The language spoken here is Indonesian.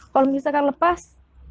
kalau misalkan lepas